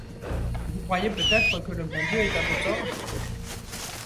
Vous croyez peut-être que le bon Dieu est à vos ordres?